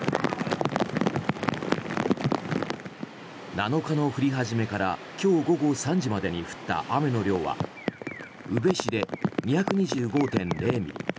７日の降り始めから今日午後３時までに降った雨の量は宇部市で２２５．０ミリ